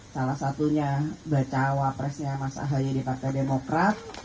salah satunya bacawa presnya mas ahaya departemen demokrat